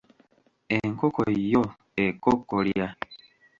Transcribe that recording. Enkoko yo ekokkolya.